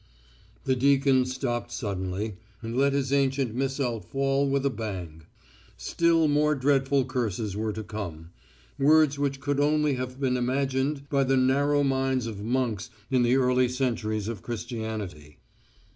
The deacon stopped suddenly, and let his ancient missal fall with a bang. Still more dreadful curses were to come, words which could only have been imagined by the narrow minds of monks in the early centuries of Christianity.